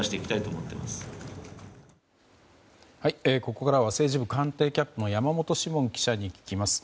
ここからは政治部官邸キャップの山本志門記者に聞きます。